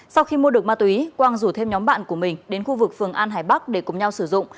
sau khi mua được ma túy quang rủ thêm nhóm bạn của mình đến khu vực phường an hải bắc để cùng nhau sử dụng